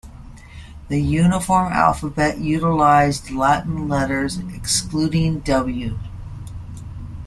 The uniform alphabet utilized Latin letters, excluding "w".